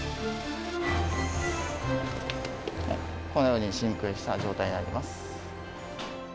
このように真空した状態になります。